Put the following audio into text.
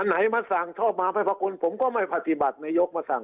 อันไหนมาสั่งชอบมาพระพระคุณผมก็ไม่พฤติบัติในยกมาสั่ง